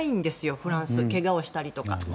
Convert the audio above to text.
フランス、怪我をしたりとかで。